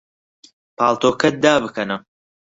پاڵتۆکەت دابکەنە.